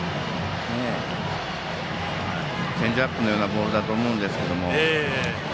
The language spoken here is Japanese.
チェンジアップのようなボールだと思うんですが。